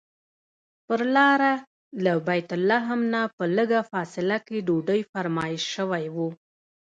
پر لاره له بیت لحم نه په لږه فاصله کې ډوډۍ فرمایش شوی و.